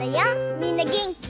みんなげんき？